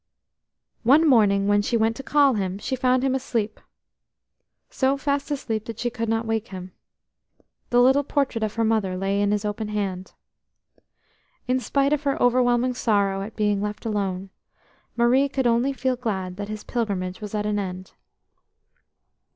One morning when she went to call him, she found him asleep–so fast asleep that she could not wake him; the little portrait of her mother lay in his open hand. In spite of her overwhelming sorrow at being left alone, Marie could only feel glad that his pilgrimage was at an end.